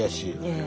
ええ。